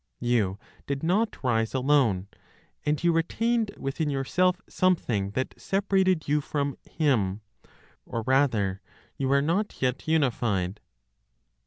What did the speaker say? You did not rise alone, and you retained within yourself something that separated you from Him; or rather, you were not yet unified.